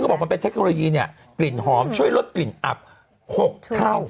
สิก็บอกว่าเป็นเทคโนโลยีจริงหอมช่วยลดกลิ่นอับ๖เท่า